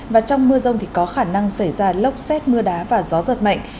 và trong mưa rông thì có khả năng xảy ra lốc xét mưa đá và gió giật mạnh